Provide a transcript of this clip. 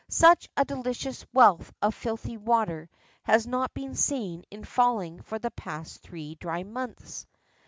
Such a delicious wealth of filthy water has not been seen in Falling for the past three dry months.